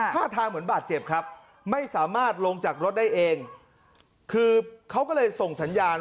ท่าทางเหมือนบาดเจ็บครับไม่สามารถลงจากรถได้เอง